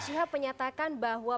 rizik syihab menyatakan bahwa